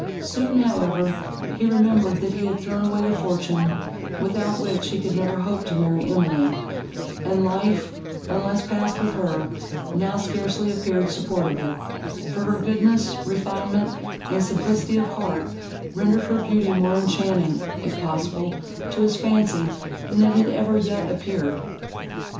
Soon, however, he remembered, that he had thrown away the fortune, without which he could never hope to marry Emily; and life, unless passed with her, now scarcely appeared supportable; for her goodness, refinement, and simplicity of heart, rendered her beauty more enchanting, if possible, to his fancy, than it had ever yet appeared.